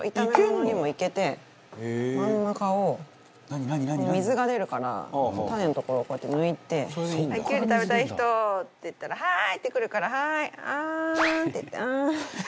真ん中を水が出るから種のところをこうやってむいて「きゅうり食べたい人？」って言ったら「はい！」って来るから「はいあん」って言って。